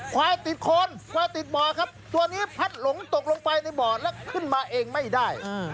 ควายติดโคนควายติดบ่อครับตัวนี้พัดหลงตกลงไปในบ่อแล้วขึ้นมาเองไม่ได้